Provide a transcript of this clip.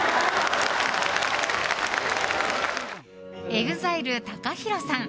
ＥＸＩＬＥＴＡＫＡＨＩＲＯさん。